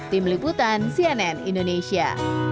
tim liputan cnn indonesia